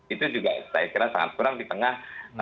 itu juga saya kira sangat kurang di tengah